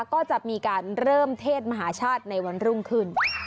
ก็จะมีการเริ่มเทศมหาชาติในวันรุ่งขึ้น